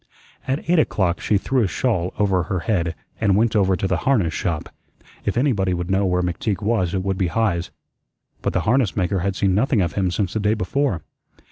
At eight o'clock she threw a shawl over her head and went over to the harness shop. If anybody would know where McTeague was it would be Heise. But the harness maker had seen nothing of him since the day before.